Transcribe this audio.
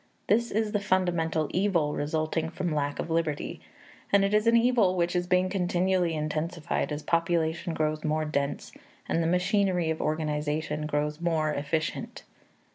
This is the fundamental evil resulting from lack of liberty; and it is an evil which is being continually intensified as population grows more dense and the machinery of organization grows more efficient.